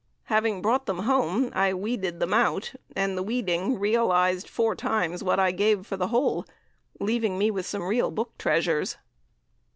Having brought them home, I 'weeded them out,' and the 'weeding' realised four times what I gave for the whole, leaving me with some real book treasures.